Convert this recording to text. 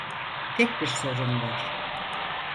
Tek bir sorun var.